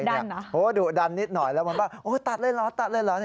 ดุดันเหรอดุดันนิดหน่อยแล้วมันบอกตัดเลยเหรอตัดเลยเหรอ